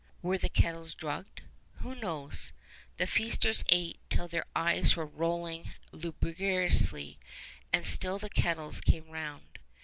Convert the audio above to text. Were the kettles drugged? Who knows? The feasters ate till their eyes were rolling lugubriously; and still the kettles came round.